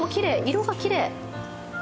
色がきれい。